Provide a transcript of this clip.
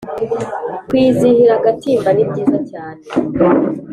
kwizihira agatimba ni byiza cyane